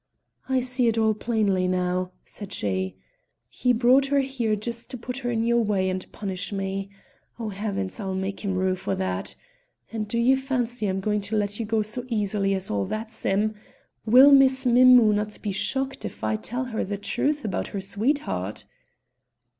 "I see it all plainly now," said she. "He brought her here just to put her in your way and punish me. Oh, heavens, I'll make him rue for that! And do you fancy I'm going to let you go so easily as all that, Sim? Will Miss Mim mou' not be shocked if I tell her the truth about her sweetheart?"